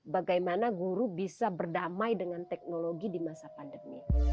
bagaimana guru bisa berdamai dengan teknologi di masa pandemi